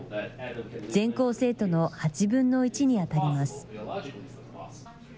全校生徒の８分の１にあたります。